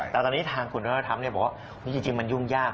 แต่ตอนนี้ทางคุณธรรมบอกว่าจริงมันยุ่งยาก